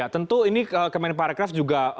ya tentu ini kementerian pahara keras